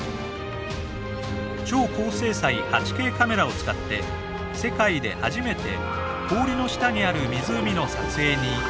超高精細８Ｋカメラを使って世界で初めて氷の下にある湖の撮影に挑みました。